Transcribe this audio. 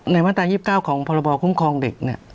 ในวันตาย๒๙ของพคุ้มครองเด็กเนี่ย